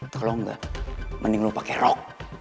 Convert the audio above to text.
kalau enggak mending lo pakai rok